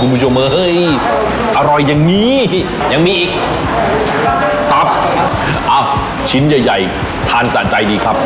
คุณผู้ชมว่าเฮ้ยอร่อยอย่างนี้ยังมีอีกตับอ้าวชิ้นใหญ่ใหญ่ทานสะใจดีครับ